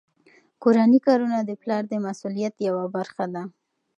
کورني کارونه د پلار د مسؤلیت یوه برخه ده.